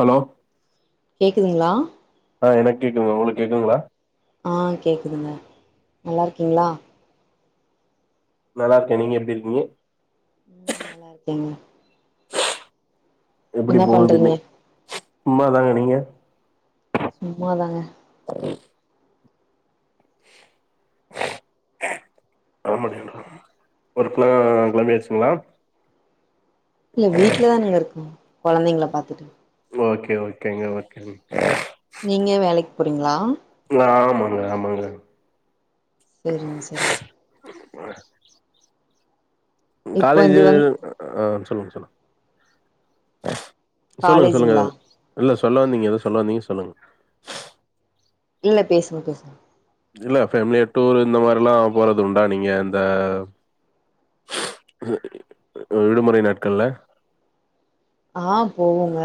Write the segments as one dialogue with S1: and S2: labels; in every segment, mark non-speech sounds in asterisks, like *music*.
S1: Hello
S2: கேக்குதுங்களா
S1: ஆ என கேக்குதுங்க உங்களுக்கு கேக்குதுங்களா
S2: ஆ கேக்குதுங்க நல்லா இருக்கீங்களா
S1: நல்லா இருக்கேன் நீங்க எப்படி இருக்கீங்க
S2: ம் நல்லா இருக்கேங்க
S1: எப்படி
S2: என்ன
S1: போகுது
S2: பண்றீங்க
S1: இன்னை சும்மாதாங்க நீங்க
S2: சும்மாதாங்க
S1: அ *unintelligible* வொர்க்லா கெளம்பியாச்சுங்களா
S2: இல்ல வீட்ல தானங்க இருக்கோ கொழந்தைங்கள பாத்துட்டு
S1: ஓகே ஓகேங்க ஓகேங்க
S2: நீங்க வேலைக்கு போறீங்களா
S1: ஆ மாங்க ஆமாங்க
S2: செரிங்க செரிங்க இப்போ
S1: காலேஜ்
S2: இது வந்து
S1: ஆ சொல்லுங்க சொல்லுங்க சொல்லுங்க சொல்லுங்க
S2: காலேஜுங்களா
S1: இல்ல சொல்ல வந்தீங்க ஏதோ சொல்ல வந்தீங்க சொல்லுங்க
S2: இல்ல பேசுங்க பேசுங்க
S1: இல்ல ஃபேமிலியா டூரு இந்த மாரிலா போறது உண்டா நீங்க இந்த விடுமுறை நாட்கள்ல
S2: ஆ போவோங்க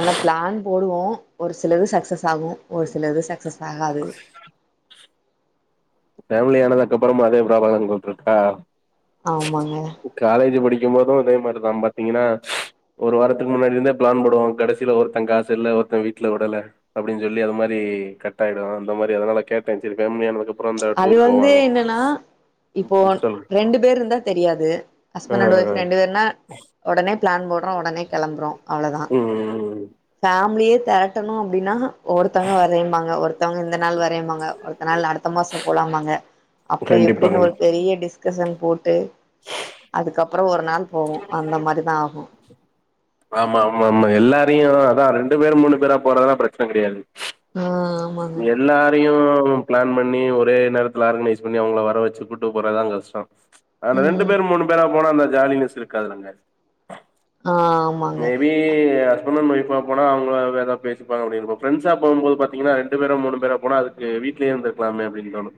S2: ஆனா பிளான் போடுவோ ஒரு சிலது சக்சஸ் ஆகு ஒரு சிலது சக் ஸஸ் ஆகாது
S1: ஃபேமிலி ஆனதுக்கு அப்றம் அதே ப்ராப்ளம் உங்களுக் இருக்கா
S2: ஆமாங்க
S1: காலேஜ் படிக்கும் போது இதே மாதிரிதா பாத்தீங்கன்னா ஒரு வாரத்துக்கு முன்னாடி இருந்தே பிளான் போடுவோ கடைசில ஒருத்த காசு இல்ல ஒருத்த வீட்ல வுடல அப்படின் சொல்லி அது மாரி கட்டாயிடு அந்த மாரி அதனால கேட்டே சரி ஃபேமிலி ஆனதுக் அப்
S2: அது வந்து என்னன்னா இப்போ
S1: ம் சொல்லு
S2: ரெண்டு பேரு இருந்தா தெரியாது
S1: ஆ
S2: ஹஸ்பண்ட் அண்ட் வைஃப் ரெண்டு பேருனா உடனே பிளான் போடுறோ உடனே கெளம்புறோ அவ்ளோதா
S1: ம் ம்
S2: ஃபேமிலியே திரட்டணு அப்டின்னா ஒருத்தங்க வரேம்பாங்க ஒருத்தவங்க இந்த நாள் வரேன்பாங்க ஒருத்த நாள் அடுத்த மாசோ போலாம்பாங்க அப்டி
S1: கண்டிப்பா
S2: இப்டினு ஒரு
S1: கண்டிப்பா.
S2: பெரிய டிஸ் டிஸ்கஷன் போட்டு அதுக்கப்றோ ஒரு நாள் போவோ அந்த மாரி தா ஆகு
S1: ஆமா ஆமா ஆமா எல்லாரையு அதா ரெண்டு பேர் மூணு பேரா போறதெல்லா பிரச்சனை கெடயாது
S2: ம்
S1: எல்லா தயு பிளான் பண்ணி ஒரே நேரத்துல ஆர்கனைஸ் பண்ணி அவங்கள வர வச்சு கூட்டு போறதா கஷ்டோ ஆனா ரெண்டு
S2: ம்
S1: பேர் மூணு பேரா போனா அந்த ஜாலினஸ் இருக்காதுலாங்க
S2: ஆம்
S1: மே பி கி ஹஸ்பண்ட் அண்ட் ஒய்ஃபா போனா அவங்க ஏதோ பேசிப்பாங்க அப்டின்போ ஃப்ரண்ட்ஸா போகும்போது பாத்தீங்கன்னா இரண்டு பேரோ மூனு பேரா போனா அதுக் கு வீ்ட்லயே இருந்து இருக்கலாமே அப்டின் தோணு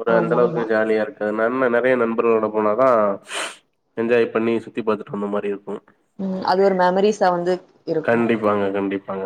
S1: ஒரு அந்த
S2: ஆமா
S1: அளவுக்கு
S2: ஆமா
S1: ஜாலியா இருக் நன்னா நெறய நண்பர்களோட போனாதா என்ஜாய் பண்ணி சுத்தி பாத்துட்டு வந்த மாரி இருக்கு
S2: ம் அது ஒரு மெமரிஸா வந்து இருக்கு
S1: பாங்க கண்டிப்பாங்க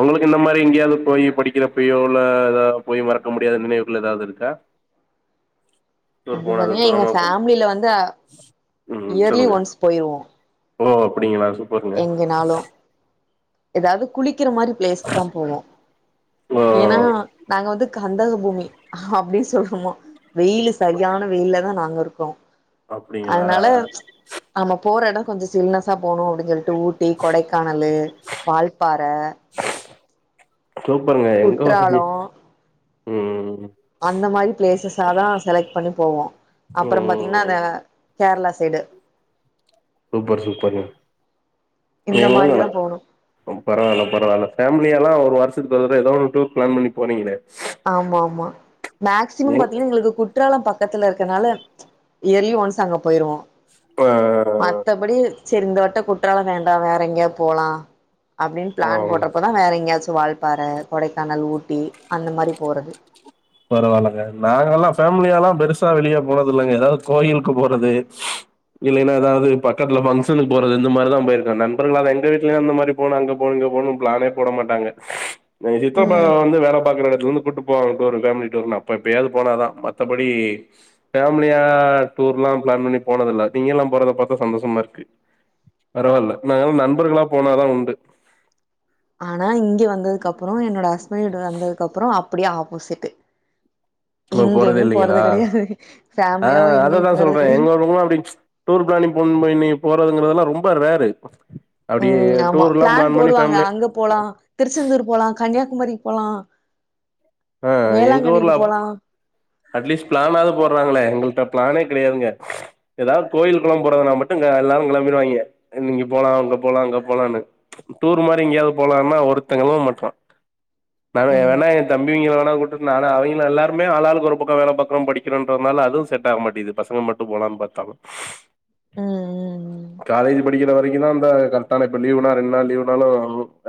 S1: உங்களுக்கு இந்த மாரி எங்கயாவது போய் படிக்கிறப்பயோ இல்ல ஏதா போய் மறக்க முடியாத நினைவுகள் ஏதாது இருக்கா டூர்
S2: அப்டி
S1: போனது
S2: பாத்தீங்கன்னா எங்க
S1: தூரமா போ
S2: ஃபேமிலியில வந்து
S1: ம்
S2: இயர்லி
S1: சொல்லுங்க
S2: ஒன்ஸ் போயிருவோ
S1: ஓ அப்டிங்களா சூப்பர்ங்க
S2: ஏதாது குளிக்கிற மாரி பிளேஸ்க் தா போவோ
S1: ஓ
S2: ஏனா நாங்க வந்து கந்தக பூமி அப்டின் சொல்லுவோ வெயிலு சரியான வெயில்ல தா நாங்க இருக்கோ
S1: அப்டிங்களா
S2: அதனால நம்ம போற எடோ கொஞ்சோ சில்னஸா போணு அப்டின் சொல்ட்டு ஊட்டி கொடைக்கானலு வால்பாற
S1: சூப்பருங்க எங்க வசதி
S2: குற்றாலோ அந்த மாரி பிளேசஸ்ஸாதா செலக்ட் பண்ணி போவோ அப்றம் பாத்தீங்னா
S1: ம்
S2: அந்த கேரளா சைடு
S1: சூப்பர் சூப்பர்ங்க
S2: இந்த மாரிதா
S1: *unintelligible*
S2: போணு
S1: பரவால்ல பரவால ஃபேமிலியாலா ஒரு வருசத்துக்கு ஒரு தடவ ஏதோ ஒரு டூர் பிளான் பண்ணி போறீங்ளே
S2: ஆமா ஆமா மேக்சிமம் பாத்தீங்னா எங்ளுக்கு கு ற்றாலம் பக்கத்துல இருக்கனால இயர்லி ஒன்ஸ் அங்க போயிருவோ
S1: ஆ
S2: மத்தபடி சரி இந்தவட்ட குற்றால வேண்டா வேற எங்கேயாது போலா அப்டின்
S1: ஆ
S2: பிளான் போட்றப்ப தா வேற எங்கேயாச்சு வால்பாற கொடைக்கானல் ஊட்டி அந்த மாரி போறது
S1: பரவாலங்க நாங்க எல்லா ஃபேமிலியாலா பெருசா வெளிய போனது இல்லங்க ஏதாவது கோயிலுக்கு போறது இல்லனா ஏதாவது பக்கத்துல பங்கஷனு போறது இந்த மாரிதா போயிருக்கோ நண்பர்களா எங்க வீட்லலா அந்த மாரி போனு அங்க போனு இங்க போனு பிளானே போட மாட்டாங்க எங்க சித்தப்பா
S2: ம்
S1: வந்து வேல பாக்குற எடத்துல இருந்து கூட்டு போவாங் ஒரு ஃபேமிலி டூர்னா அப்ப எப்பயாது போனாதா மத்தபடி பேஃமிலியா டூர்லா பிளான் பண்ணி போனதில்ல நீங்க எல்லா போறத பாத்தா சந்தோஷமா இருக்கு பரவால்ல நாங்கள்லா நண்பர்களா போனாதா உண்டு
S2: ஆனா இங்க வந்ததுக்கப்றோ என்னோட ஹஸ்பண்ட் வீடு வந்ததுக்கப்றோ அப்டியே ஆப்போசிட்டு
S1: நம்ம போறதே இல்லங்ளா
S2: கெடையாது
S1: ஆ
S2: ஃபேமிலியாவு எங்கேயு
S1: அததா
S2: போறது
S1: சொல்றே
S2: கெடையாது
S1: எங்களுகுள்ள அப்டி டூர் பிளானிங் போட்ணுமா இன்னிக்கு போறதுங்கிறதெல்லா ரொம்ப ரேரு அப்டியே
S2: ம் ஆமா
S1: டூர்லா பிளான் பண்ணி
S2: போடுவாங்க
S1: ஃபேமிலி
S2: அங்க போலா திருச்செந்தூர் போலா கன்யாகுமாரிக் போலா
S1: ஆ எங்க ஊர்ல
S2: வேளாங்கண்ணிக்கு
S1: அப்
S2: போலா
S1: அட்லீஸ்ட் பிளானாவது போட்றாங்களே எங்கள்ட்ட பிளானே கெடையாதுங்க ஏதாவது கோயில் குளம் போறதுனா மட்டு அ எல்லாரு கிளம்பிருவாய்ங்க இங்க போலா அங்க போலா அங்க போலானு டூர் மாரி எங்கேயாது போலான்னா ஒருத்த கெளம் மாட்றா நா
S2: ம்
S1: *unintelligible* தம்பிங்க வேணா வுட்டுட்டு நானா அவங்கிலா எல்லாருமே ஆளாளுக் ஒரு பக்கோ வேல பாக்றோ படிக்கிறோன்றதுனால அதுவு செட் ஆக மாட்டங்குது பசங்க மட் டு போலான் பாத்தாலு
S2: ம் ம் ம்
S1: காலேஜ் படிக்க வெரைக்கு தா அந்த கரெக்டான இப்ப லீவ்னா ரெண் நாள் லீவு நாளு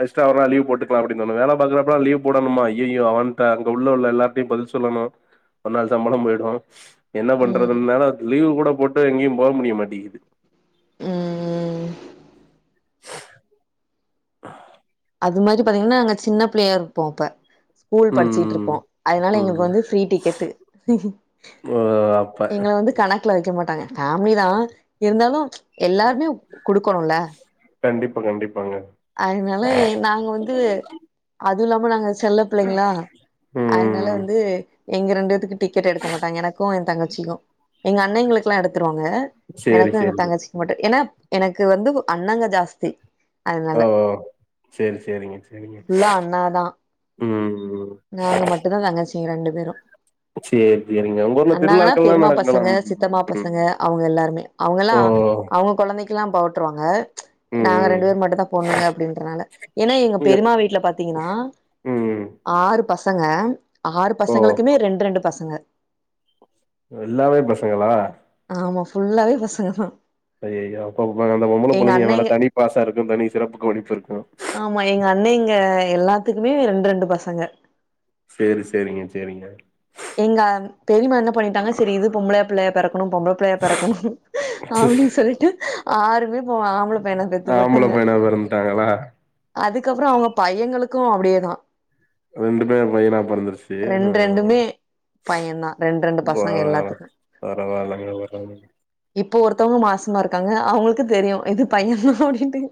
S1: எக்ஸ்ட்ரா ஒரு நாள் லீவ் போட்டு க்லா அப்டி தோணு வேல பாக்கறப்போ லீவ் போடணுமா ஐயையோ அவன்ட்ட அங்க உள்ள உள்ள எல்லார்ட்டயு பதில் சொல்லணு ஒரு நாள் சம்பள போயிடு என்ன
S2: ம்
S1: பண்றதுன்தான லீவு கூட போட்டு எங்கேயு போ முடிய மாட்டேங்கிது
S2: ம் அது மாரி பாத்தீங்னா நாங்க சின்ன பிள்ளையா இருப்போ அப்ப ஸ்கூல் படிச்சுட்டு
S1: ம்
S2: இருப்போ அதனால எங்களுக்கு
S1: ம்
S2: வந்து ஃப்ரீ டிக்கெட்டு
S1: ஓ அப்ப
S2: வீட்ல வக்க மாட்டாங்க ஃபேமிலி தா இருந்தாலு எல்லாருமே குடுக்கணுல
S1: கண்டிப்பா கண்டிப்பாங்க
S2: அதனால நாங்க வந்து அது இல்லாம நாங்க செல்ல பிள்ளைங்ளா அதனால
S1: ம்
S2: வந்து எங்க ரெண்டுத்துக்கு டிக்கெட் எடுக்க மாட்டாங்க எனக்கு எ தங்கச்சிக்கு எங்க அண்ணேங்களு க்லா எடுத்துருவாங்க
S1: சேரி
S2: எனக்கு எங்க
S1: சேரி
S2: தங்கச்சிக் மட்டு ஏன்னா ப் எனக்கு வந்து அண்ணங்க ஜாஸ்தி அதனால
S1: ஓ செரி செரிங்க செரிங்க
S2: ஃபுல்லா அண்ணாதா
S1: ம்
S2: நாங்க மட்டுந்தா தங்கச்சிங்க ரெண்டு பேரு
S1: சேரி சேரிங்க உங்க ஊர்ல
S2: அண்ணாங்கெலா
S1: திருவிழாக்கள்லா
S2: பெரிம்மா
S1: நடக்குங்களா
S2: பசங்க சித்தப்பா
S1: ம்
S2: பசங்க அவுங்க எல்லாருமே அவுங்கெல்லா
S1: ஓ
S2: அவுங்க கொழந்தைக்கெல்லா போட்ருவாங்க நாங்க
S1: ம்
S2: ரெண்டு பேர் மட்டுந்தா பொண்ணுங்க அப்டின்றனால ஏனா எங்க பெரிம்மா வீட்ல பாத்தீங்னா
S1: ம்
S2: ஆறு பசங்க ஆறு
S1: ஓ
S2: பசங்களுக்குமே ரெண் ரெண்டு பசங்க
S1: எல்லாமே பசங்களா
S2: ஆமா ஃபுல்லாவே பசங்க தா
S1: ஐயையோ அப்போ அந்த பொம்பள புள்ளைங்க மேல
S2: அண்ணேங்க
S1: தனி பாசோ இருக்கோ தனி சிறப்பு கவனிப்பு இருக்கோ
S2: ஆமா எங்க அண்ணேங்க எல்லாத்துக்குமே ரெண்டு ரெண்டு பசங்க
S1: செரி செரிங்க செரிங்க
S2: எங்கா பெரிம்மா என்ன பண்ணிட்டாங்க செரி இது பொம்பள பிள்ளையா பெறக்கணு பொம்பள பிள்ளையா பெறக்கணு அப்டின் சொல்ட்டு ஆறுமே இப்போ ஆம்பள பையனா பெத்து
S1: ஆம்பள
S2: போட்டாங்க
S1: பையனா பெறந்துட்டாங்களா
S2: அதுக்கப்றோ அவுங்க பையங்களுக்கு அப்டியே தா
S1: ரெண்டுமே பையனா பொறந்துருச்சு அ
S2: ரெண்டு ரெண்டுமே பையந்தா ரெண்டு ரெண்டு பசங்க
S1: வாவ்
S2: எல்லாத்துக்கு
S1: பரவால்ல *unintelligible*
S2: இப்போ ஒருத்தவுங்க மாசமா இருக்காங்க அவுங்களுக்கு தெரியு இது பையன் தா அப்டின்ட்டு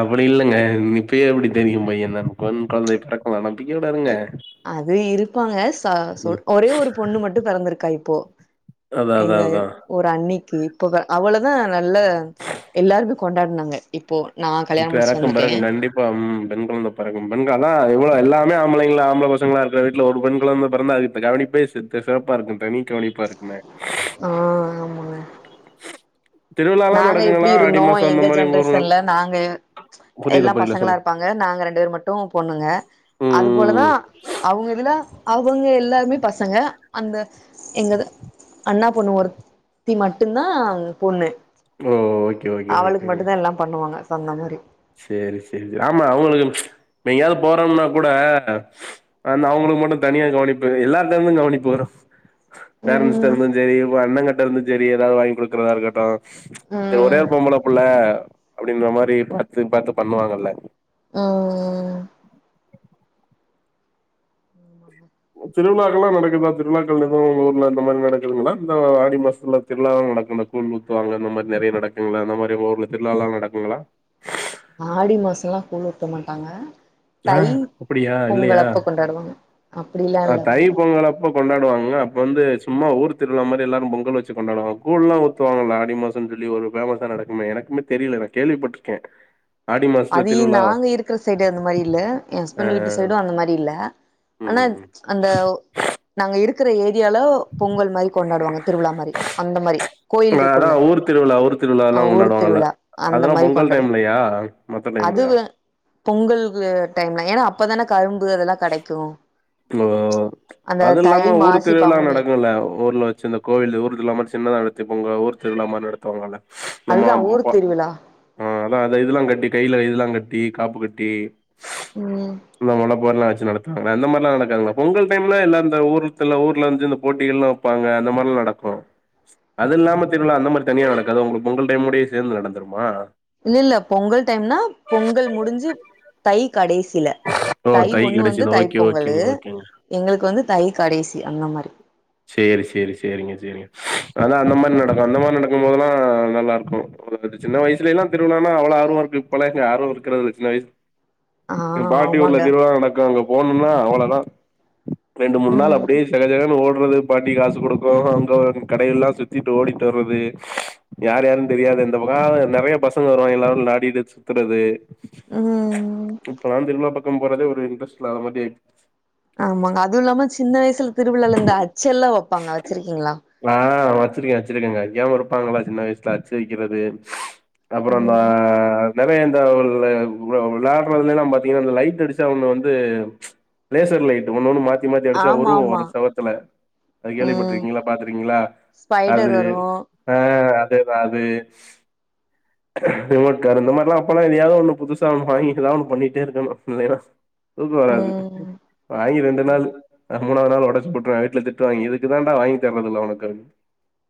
S1: அப்டி இல்லங்க இப்பயே எப்டி தெரியு பையன் தா பொன் கொழந்தை பிறக்கலா நம்பிக்கை விடாதீங்க
S2: அது இருப்பாங்க சா சொ ஒரே ஒரு பொண்ணு மட்டு பிறந்திருக்கா இப்போ
S1: அதா அதா
S2: எங்கள்
S1: அதா
S2: ஒரு அன்னிக்கு இப்போ அவளதா நல்லா எல்லாருமே கொண்டாடுனாங்க இப்போ நா கல்யாண முடிச்சு
S1: பெறக்கு
S2: வந்துட்டே
S1: பெறக்கு கண்டிப்பா ம் பெண் கொழந்த பெறக்கும் பெண்கள் தா எவ்ளோ எல்லாமே ஆம்பளைங்கள ஆம்பல பசங்களா இருக்கிற வீட்ல ஒரு பெண் குழந்த பெறந்தா அது அந்த கவனிப்பே சித்த சிறப்பா இருக்கு தனி கவனிப்பா இருக்குமே
S2: அ
S1: திருவிழாலா
S2: நாங்க எப்டி
S1: நடக்குங்களா ஆடி
S2: இருந்தோ
S1: மாசோ அந்த
S2: எங்க
S1: மாரி உங்க ஊருங்கள்
S2: ஜென்ரேஷன்ல நாங்க
S1: புரில
S2: எல்லா
S1: புரில
S2: பசங்களா
S1: சொல்லுங்
S2: இருப்பாங் நாங்க ரெண்டு பேர் மட்டு பொண்ணுங்க அது
S1: ம்
S2: போலதா
S1: ம்
S2: அவுங்க இதுல அவுங்க எல்லாருமே பசங்க அந்த எங்கது அண்ணா பொண்ணு ஒருத்தி மட்டுந்தா பொண்ணு
S1: ஓ ஓகே ஓகே
S2: அவளுக்கு மட்டுந்தா எல்லா பண்ணுவாங்க சொன்ன மாரி
S1: செரி செரி செரி ஆமா அவுங்களுக்கு எங்கயாவது போறோம்னா கூட அந்த அவுங்களுக்கு மட்டு தனியா கவனிப்பு எல்லாருட்ட இருந்து கவனிப்பு வரு பேரன்ஸ்ட்ட
S2: ம்
S1: இருந்து செரி உங்க அண்ணங்கிட்ட இருந்து செரி ஏதாவது வாங்கி கொடுக்குறதா இருக்கட்டு செரி ஒரே
S2: ம்
S1: ஒரு பொம்பள புள்ள அப்டின்ற மாரி பாத்து பாத்து பண்ணுவாங்கல்ல
S2: ம் ம்
S1: திருவிழாக்களெல்லா நடக்குதா திருவிழாக்கள் எத உங்க ஊர்ல இந்த மாரி நடக்குதுங்களா இந்த ஆடி மாசத்துல திருவிழாவுலா நடக்கு ப கூல் ஊத்துவாங்க அந்த மாரி நெறையா‌ நடக்குங்களா அந்த மாரி உங்க ஊர்ல திருவிழாலா நடக்குங்களா
S2: ஆடி மாசோல்லா கூழ் ஊத்த மாட்டாங்க
S1: ஆ
S2: தை
S1: அப்டியா
S2: பொங்கல்
S1: இல்லையா
S2: அப்போ கொண்டாடுவாங்க அப்டிலா
S1: ஆ
S2: இல்லங்க
S1: தை பொங்கல் அப் போ கொண்டாடுவாங்க அப்போ வந்து சும்மா ஊர் திருவிழா மாரி எல்லாரு பொங்கல் வச்சு கொண்டாடுவங்க கூழ்லா ஊ த்துவாங்களா ஆடி மாசம்னு சொல்லி ஒன்னு ஃபேமஸா நடக்குமே எனக்குமே தெரியல நா கேள்விபட்ருக்கே
S2: *inaudible* அதி இங் நாங்க இருக்கிற சைடு அந்த மாரி இல்ல ஏ ஹஸ்பண்ட் வீட்டு சைடும் அந்த மாரி இல்ல
S1: ம்
S2: ஆனா
S1: ம்
S2: அந்த நாங் இருக்கற ஏரியால பொங்கல் மாரி கொண்டாடுவாங்க திருவிழா மாரி அந்த மாரி கோயில்
S1: அதா
S2: இருக்குல்ல
S1: ஊர் திருவிழா ஊர்
S2: அ
S1: திருவிழாலா
S2: ஊர்
S1: கொண்டாடுவாங்கல்ல
S2: திருவிழா அந்த
S1: அதெல்லா
S2: மாரி
S1: பொங்கல்
S2: கொண்டாடு
S1: டைம்லயா மத்த டைம்லயா
S2: அதுவு பொங்கல் டைம்ல ஏன்னா அப்பதான கரும்பு அதெல்லா கெடைக்கு
S1: ஓ
S2: அந்த
S1: அது
S2: தை
S1: இல்லாம ஊர்
S2: மாசி
S1: திருவிழா
S2: பங்குனி
S1: நடக்கு இல்லல்ல ஊர்ல வச்சு இந்த கோவில் ஊர் திருவிழா மாரி சின்னதா நடத்தி பொங்க ஊர் திருவிழா மாரி நடத்துவாங்கல்ல நா மா
S2: அதுதா ஊர்
S1: ப்பா
S2: திருவிழா
S1: ஆ அதா அத இதெல்லா கட்டி கையில இதெல்லா கட்டி காப்பு கட்டி
S2: ம்
S1: இந்த மார்லா ஒண்ணா வச்சு நடத்துவாங்கள அந்த மாரி அப்பலா நடக்காதுங்க பொங்கல் டைம்ல எல்லா இந்த ஊர்துள்ள ஊர்ல வந்து இந்த போட்டிகள் எல்லா வைப்பாங்க அந்த மாரிலா நடக்கு அது இல்லாம திருவிழா அந்த மாரி தனியா நடக்காதா உங்களுக்கு பொங்கல் டைம்ல‌ ஓடையே சேந்து நடந்துருமா
S2: இல்ல இல்ல பொங்கல் டைம்னா பொங்கல் முடிஞ்சு தை கடைசில
S1: ஓ
S2: தை ஒண்ணு வந்து
S1: கெடைச்சது
S2: தை
S1: ஓகே
S2: பொங்கல்லு
S1: ஓகேங்க ஓகேங்க
S2: எங்களுக்கு வந்து தை கடைசி அந்த மாரி
S1: சேரி சேரி சேரிங்க சேரிங்க அதா அந்த மாரி நடக்கு அந்த மாரி நடக்கு போதெல்லா நல்லாருக்கு சின்ன வயசுலல்லா திருவிழானா அவ்ளோ ஆர்வமா இருக்கு இப்பலாம் இங்க ஆர்வோ இருக்கறதில்ல சின்ன வயசு
S2: ஆ
S1: எங்க பாட்டி ஊர்ல
S2: ஆமாங்க
S1: திருவிழா நடக்கு அங்க போனுனா அவ்ளோதா ரெண்டு மூணு நாள்
S2: ம்
S1: அப்டியே சகஜகனு ஓடுறது பாட்டி காசு கொடுக்கு அங்க கடைய எல்லா சுத்திட்டு ஓடிட்டு வர்றது யார் யாருனு தெரியாது இந்த புரோ நறைய பசங்க வருவங்க எல்லாரு வெலாடிட்டு சுத்துறது
S2: ம்
S1: இப்பலா திருவிழா பக்கம் போரதே ஒரு இன்ட்ரெ்ஸ்ட் இல்லாத மாரி ஆயி
S2: ஆமாங்க அதுவு இல்லாம சின்ன வயசுல திருவிழால இந்த அச்சல்லா வைப்பாங்க வச்சிருக்கீங்ளா
S1: ஆ வச்சிருக்கே வச்சிருக்கேங்க வைக்காம இருப்பாங்களா சின்ன வயசுல அச்சு வைக்கிறது அப்ரோ அந்த
S2: ம்
S1: நறைய இந்த விலாடறதுலைலா பாத்தீங்கன்னா இந்த லைட் அடிச்சா ஒன்ன வந்து லேசர் லைட் ஒன்னொ ஒண்ணு மாத்தி மாத்தி அடிச்சா
S2: ஆமா
S1: உருவோ
S2: ஆமா
S1: வரு செவத்துல அது
S2: ம்
S1: கேள்விப்பட்டிருக்கீங்ளா பாத்திருக்கீங்களா
S2: ஸ்பைடர்
S1: அது
S2: வரு
S1: ஆ அதேதா அது
S2: *inaudible*
S1: ரிமோட் கார் இந்த மாரிளா அப்பெல்லா எதையாவது ஒண்ணு புதுசா வாங்கி எதாது ஒண்ணு பண்ணிட்டே இருக்கணு இலைன்னா தூக்க வராது
S2: ம்
S1: வாங்கி ரெண்டு நாள் மூணாவது நாள் உடைச்சு போட்டுறே வீட்ல திட் திட்டுவாய்ங்கே இதுக்கு தாண்டா வாங்கி தரதில்ல உனக்கு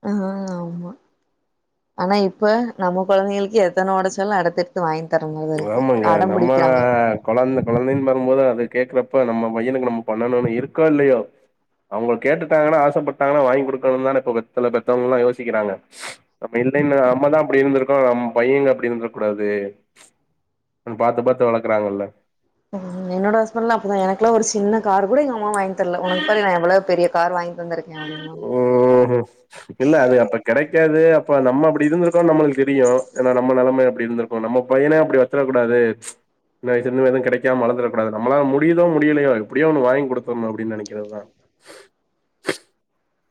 S2: ஆ ஆமா ஆனா இப்ப நம்ம குழந்தைகளுக்கு எத்தன உடைச்சாலு அடுத்து வாங்கி தர மாரிதா இருக்கு
S1: ஆமாங்க
S2: அடம்
S1: நம்ம
S2: பிடிக்கிறாங்க
S1: கொழந்த கொழந்தைன்னு வரும்போது அது கேக்குறப்ப நம்ம பையனுக்கு நம்ம பண்ணணுனு இருக்கோ இல்லையோ அவங்க கேட்டுட்டாங்கன்னா ஆசைப்பட்டாங்கன்னா வாங்கி கொடுக்கணுனு தான இப்ப சில பெத்தவங்கல்லா யோசிக்கிறாங்க அப்ப இல்லைன்னா நம்மதா அப்டி இருந்திருக்கோ நம்ம பையங்க அப்டி இருந்துர கூடாது பாத்து பாத்து வளக்கறாங்கல்ல
S2: ம் என்னோட ஹஸ்பண்ட்லா அப்பதான் எனக்குளா ஒரு சின்ன கார் கூட எங்க அம்மா வாங்கி தரல உனக்கு பாரு நா எவ்வளோ பெரிய கார் வாங்கி தந்திருக்கே அப்டிம்பாங்க
S1: ஓஹோ இல்ல அது அப்ப கெடைக்காது அப்ப நம்ம அப்டி இருந்திருக்கோ நம்மளுக்கு தெரியு ஏன்னா நம்ம நலம அப்டி இருந்திரு இப்போ நம்ம பையன அப்டி வைச்சுர கூடாது சின்ன வயசுல இருந்து எதுவு கெடைக்காம வளந்திடக்கூடாது நம்மலால முடிதோ முடியலையோ எப்டியோ ஒன்னு வாங்கி கொடுத்தடணு அப்டின்னு நெனைக்கிறதுதா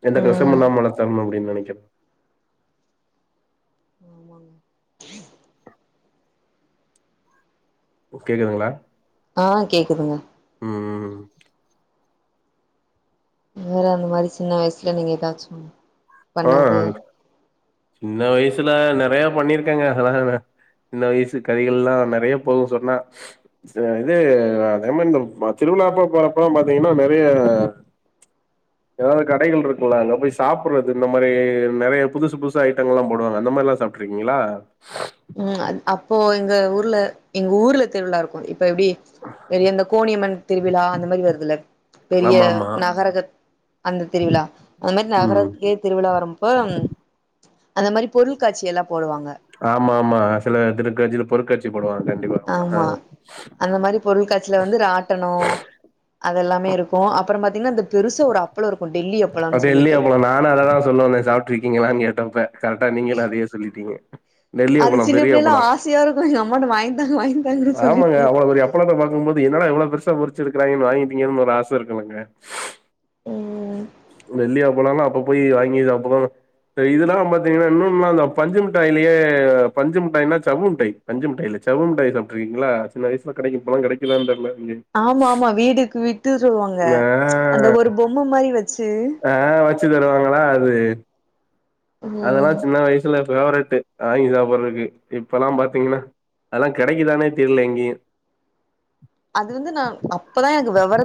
S1: எந்த கஸ்டமு
S2: ம்
S1: இல்லாம வளர்த்தரணும் அப்டின்னு நெனைக்கேற
S2: ஆமாங்க
S1: கேக்குதுங்களா
S2: ஆ கேக்குதுங்க
S1: ம் ம்
S2: நீங்களு அந்த மாரி சின்ன வயசுல நீங்க எதாச்சும்
S1: ஆ சின்ன வயசுல நெறைய பண்ணிருக்கேங்க அதெல்லா சின்ன வயசு கதைகள் எல்லா நெறைய போகு சொன்னா சில இது அதே மாரி இந்த திருவிழா அப்ப போறப்பல பாத்தீங்கன்னா நெறைய எதாவது கடைகள் இருக்குல்லா அங்க போய் சாப்பிடற இந்த மாரி நெறைய புதுசு புதுசா ஐட்டங்கள் எல்லா போடுவாங்க அந்த மாரி எல்லா சாப்பிட்டிருக்கீங்களா
S2: ம் அ அப்போ எங்க ஊர்ல எங்க ஊர்ல திருவிழா இருக்கு இப்போ எப்பிடி பெரிய இந்த கோணியம்மன் திருவிழா அந்த மாரி வருதுல பெரிய
S1: ஆமா ஆமா
S2: நகரக அந்த திருவிழா அந்த மாரி
S1: ம்
S2: நகரத்துக்கே திருவிழா வரம்ப்போ அந்த மாதிரி பொருள்காட்சி எல்லா போடுவாங்க
S1: ஆமா ஆமா சில திருக்காட்சியில பொருள்காட்சி போடுவாங்க கண்டிப்பா ஆ
S2: பொருள்காட்ச்சில வந்து ராட்டணோ அதெல்லாமே இருக்கு அப்புற பாத்தீங்கன்னா இந்த பெருசு ஒரு அப் பளம் இருக்கு டெல்லி
S1: அ
S2: அப்பளோன்னு
S1: டெல்லி
S2: சொல்லிட்டு
S1: அப்பளோ நானு அத தா சொல்ல வந்த சாப் பிட்டு இருக்கீங்களான்னு கேட்ட இப்ப கரெக்டா நீங்களு அதையே சொல்லிட்டீங்க டெல்லி
S2: அது
S1: அப்பளோ
S2: சின்ன
S1: பெரிய
S2: பிள்ளைல
S1: அப்பளோ
S2: ஆசையா இருக்கு எங்க அம்மாட்ட வாங்கிதாங்க வாங்
S1: ஆமாங்க அவ்ளோ பெரிய அப் பளத்த பாக்கும்போது என்னடா இ்வ்ளோ பெருசா பொறிச்சு இருக்காயிங்கன்னு வாங்கி திண்ணணு ஒரு ஆசை இருக்குல்லங்க
S2: ம்
S1: டெல்லி அப்பளம்லா அப்ப போய் வாங்கி சாப்டாதா இதெல்லா பாத்தீங்கன்னா இன்னொல்லா இந்த பஞ்சுமிட்டாயிலேயே பஞ்சுமிட்டாய்னா சவ்வு மிட்டாய் பஞ்சு மிட்டாய் இல்ல ஜவ்வு மிட்டாய் சாப்பிட்டுருக்கீங்களா சின்ன வயசல கிடைக்கு இப்பலா கெடைக்குதான்னு தெர்ல ம்
S2: ஆமா ஆமா வீடுக்கு விட்டுருவாங்க
S1: ஆ,
S2: அந்த ஒரு பொம்மை மாரி வெச்சு
S1: ஆஹ வெச்சு தருவாங்களா அது அதெல்லா
S2: ம்
S1: சின்ன வய சில பேவரட்டு வாங்கி சாப்புடுறக்கு இப்ப எல்லா பாத்தீங்கன்னா அதெல்லா கெடைக்குதானே தெரியில எங்கயு
S2: அது வந்து நா அப்பதா எனக்கு வவர